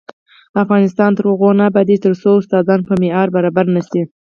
افغانستان تر هغو نه ابادیږي، ترڅو استادان په معیار برابر نشي.